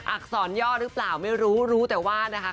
อักษรย่อหรือเปล่าไม่รู้รู้แต่ว่านะคะ